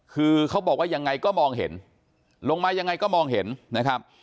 คือเขาบอกว่ายังไงก็มองเห็นลงมายังไงก็มองเห็นนะครับ